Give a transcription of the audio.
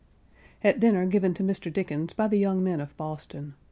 [At dinner given to Mr. Dickens by the young men of Boston.